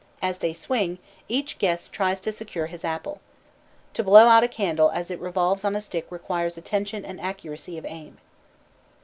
As they swing, each guest tries to secure his apple. To blow out a candle as it revolves on a stick requires attention and accuracy of aim.